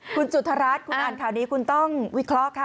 คุณจุธรัฐคุณอ่านข่าวนี้คุณต้องวิเคราะห์ค่ะ